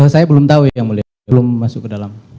saya belum tahu yang mulia belum masuk ke dalam